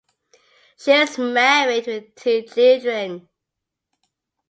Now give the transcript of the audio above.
She is married with two children.